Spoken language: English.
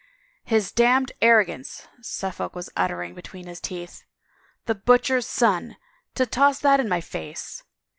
" His damned arrogance !" Suffolk was uttering be tween his teeth. " The butcher's son — to toss that in my face!